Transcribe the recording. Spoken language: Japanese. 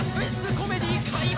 コメディー開幕！